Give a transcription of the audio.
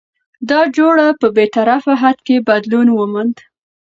دا جوړه په بې طرفه حد کې بدلون وموند؛